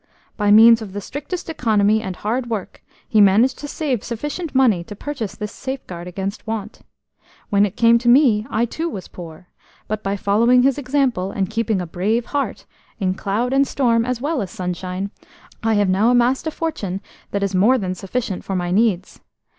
By means of the strictest economy, and hard work, he managed to save sufficient money to purchase this safeguard against want. When it came to me, I too was poor, but by following his example, and keeping a brave heart, in cloud and storm as well as sunshine, I have now amassed a fortune that is more than sufficient for my needs.